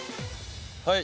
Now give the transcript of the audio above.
はい。